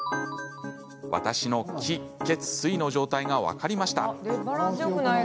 私の気・血・水の状態が分かりました。